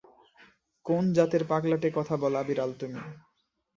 কোন জাতের পাগলাটে কথা বলা বিড়াল তুমি?